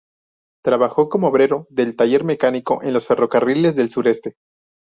Trabajó como obrero del taller mecánico en los Ferrocarriles del Sureste.